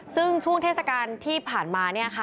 ซึ่งช่วงเทศกาลที่ผ่านมา